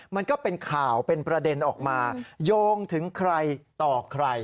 มันก็เป็นข่าวเป็นประเด็นออกมาโยงถึงใครต่อใคร